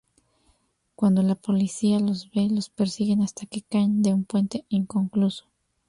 Cuando la policía los ve, los persiguen hasta que caen de un puente inconcluso.